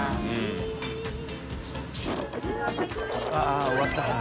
あぁ終わった。